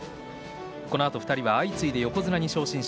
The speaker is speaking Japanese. このあと２人は相次いで横綱に昇進。